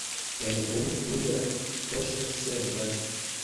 En Und migra poŝto servas.